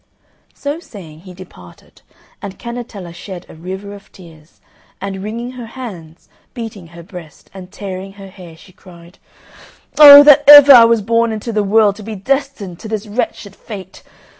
So saying, he departed, and Cannetella shed a river of tears, and, wringing her hands, beating her breast, and tearing her hair, she cried, "Oh, that ever I was born into the world to be destined to this wretched fate!